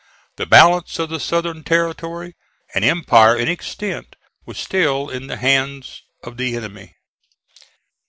The balance of the Southern territory, an empire in extent, was still in the hands of the enemy.